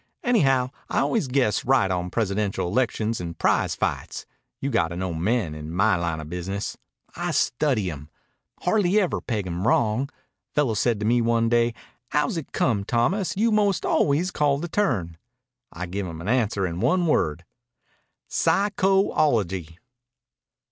Anyhow, I always guess right on presidential elections and prize fights. You got to know men, in my line of business. I study 'em. Hardly ever peg 'em wrong. Fellow said to me one day, 'How's it come, Thomas, you most always call the turn?' I give him an answer in one word psycho ology."